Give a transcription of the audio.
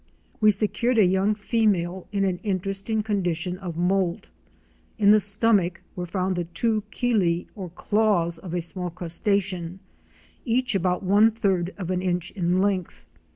We secured a young female in an interesting con dition of moult. In the stomach were found the two chele or claws of a small crustacean, each about one third of an inch in length.